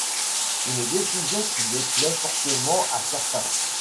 Une décision qui déplaît fortement à certains.